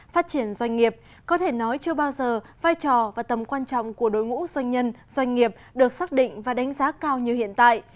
phát triển doanh nghiệp có thể nói chưa bao giờ vai trò và tầm quan trọng của đối ngũ doanh nhân doanh nghiệp được xác định và đánh giá cao như hiện tại